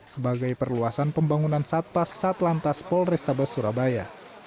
sebagai perluasan pembangunan satpas satlantas polresta besurabaya